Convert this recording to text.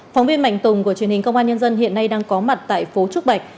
phóng viên mạnh tùng của truyền hình công an nhân dân hiện nay đang có mặt tại phố trúc bạch